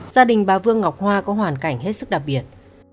gia đình bà vương ngọc hoa có hoàn cảnh hết sức đặc biệt